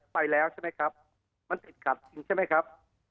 ไปแล้วใช่ไหมครับมันติดขัดจริงใช่ไหมครับ